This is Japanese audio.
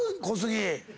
小杉。